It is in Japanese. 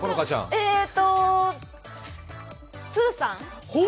えーとプーさん？